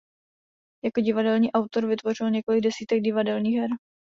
Jako divadelní autor vytvořil několik desítek divadelních her.